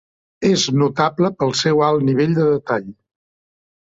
És notable pel seu alt nivell de detall.